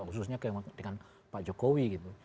khususnya dengan pak jokowi gitu